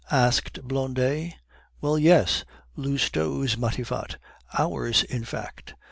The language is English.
asked Blondet. "Well, yes. Lousteau's Matifat; ours, in fact.